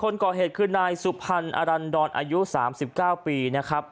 นายสุพรรณอรันดอนอายุ๓๙ปีนะครับ